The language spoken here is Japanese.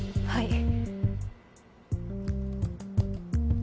はい。